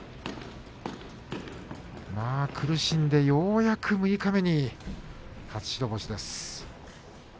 苦しんでようやく六日目に初白星です。